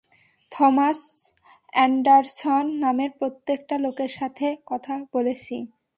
Thomas Anderson নামের প্রত্যেকটা লোকের সাথে কথা বলেছি।